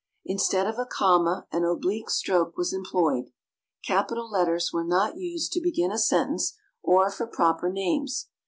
Instead of a comma an oblique stroke was employed. Capital letters were not used to begin a sentence, or for proper names.